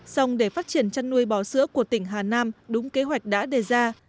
xong để phát triển chăn nuôi bò sữa của tỉnh hà nam đúng kế hoạch đã đề ra